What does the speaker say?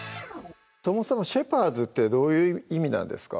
そもそも「シェパーズ」ってどういう意味なんですか？